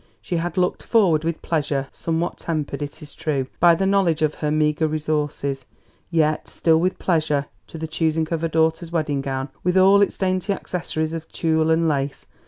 She had looked forward with pleasure somewhat tempered, it is true, by the knowledge of her meagre resources, yet still with pleasure to the choosing of her daughter's wedding gown, with all its dainty accessories of tulle and lace.